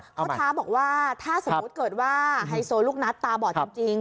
เขาท้าบอกว่าถ้าสมมุติเกิดว่าไฮโซลูกนัดตาบอดจริง